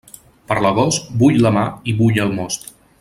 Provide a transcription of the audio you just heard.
Per l'agost, bull la mar i bull el most.